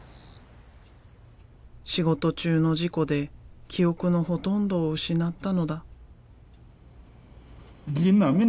仕事中の事故で記憶のほとんどを失ったのだ。